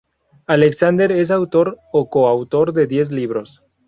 Alexander es autor o coautor de diez libros.